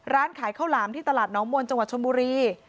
ร้านขายข้าวหลามที่ตลาดน้องมนต์จังหวัดชนบุรี